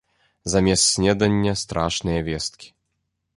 Замест снедання страшныя весткі.